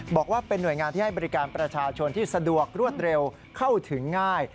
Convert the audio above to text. บอกว่าเป็นหน่วยงานที่ให้บริการประชาชนที่สะดวกรวดเร็วเข้าถึงง่าย